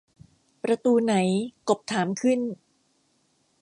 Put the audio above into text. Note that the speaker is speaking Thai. ประตูไหน กบถามขึ้น